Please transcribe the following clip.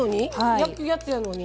焼くやつなのに？